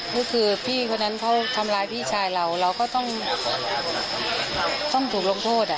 ก็คือพี่คนนั้นเขาทำร้ายพี่ชายเราเราก็ต้องถูกลงโทษ